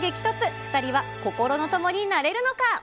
２人は心の友になれるのか。